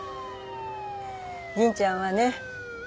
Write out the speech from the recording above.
銀ちゃんはね